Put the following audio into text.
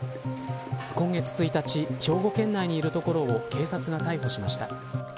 今月１日兵庫県内にいるところを警察が逮捕しました。